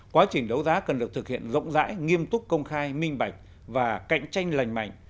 quá trình đấu giá cần được thực hiện rộng rãi nghiêm túc công khai minh bạch và cạnh tranh lành mạnh